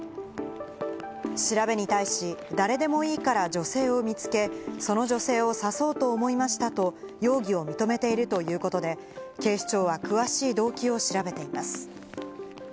調べに対し、誰でもいいから女性を見つけ、その女性を刺そうと思いましたと容疑を認めているということで、警視庁は詳しい動機を調べています。